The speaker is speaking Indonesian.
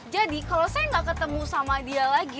jadi kalo saya gak ketemu sama dia lagi